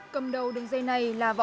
cầm đầu đường dây này là vật